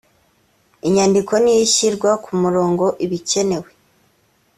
inyandiko niyo ishyira ku murongo ibikenewe.